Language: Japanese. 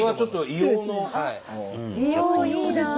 硫黄いいなあ。